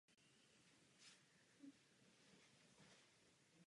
Narodila se jako mladší ze dvou sester v San Diegu v Kalifornii.